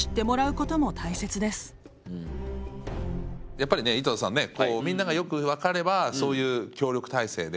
やっぱりね井戸田さんねみんながよく分かればそういう協力体制で。